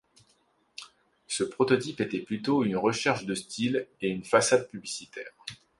Ce prototype était plutôt une recherche de style et une façade publicitaire.